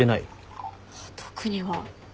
特には。